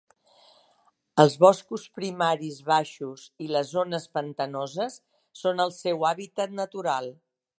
Els boscos primaris baixos i les zones pantanoses són el seu hàbitat natural.